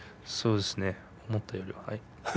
そうですね思ったよりは。